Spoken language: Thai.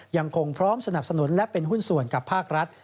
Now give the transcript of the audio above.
ยังคงพร้อมสนับสนุนและเป็นหุ้นส่วนกับภาครัฐ